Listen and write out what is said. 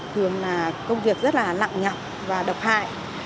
thường là công việc rất là lặng nhọc và độc hại